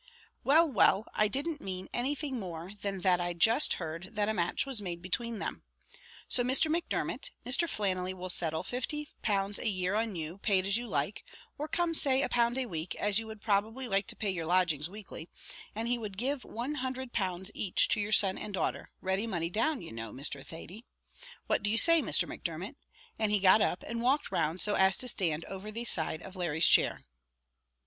"Well, well, I didn't mean anything more than that I just heard that a match was made between them. So, Mr. Macdermot, Mr. Flannelly will settle £50 a year on you, paid as you like; or come, say a pound a week, as you would probably like to pay your lodgings weekly; and he would give £100 each to your son and daughter, ready money down you know, Mr. Thady. What do you say, Mr. Macdermot?" And he got up and walked round so as to stand over the side of Larry's chair.